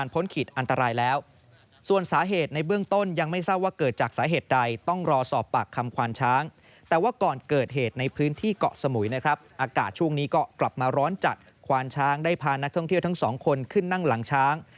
พานักท่องเที่ยวทั้งสองคนขึ้นนั่งหลังช้าง